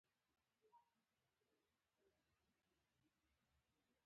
ويل به يې په کور کې هرې ښځې نهه ماشومان زيږولي.